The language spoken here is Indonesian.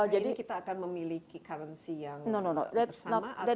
jadi kita akan memiliki currency yang sama atau